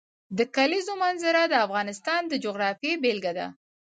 د کلیزو منظره د افغانستان د جغرافیې بېلګه ده.